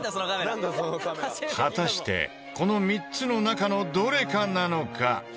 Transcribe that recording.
果たしてこの３つの中のどれかなのか？